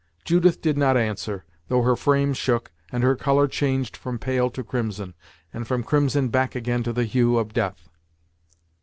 Judith did not answer, though her frame shook, and her colour changed from pale to crimson, and from crimson back again to the hue of death.